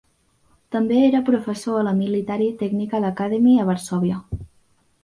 També era professor a la Military Technical Academy a Varsòvia.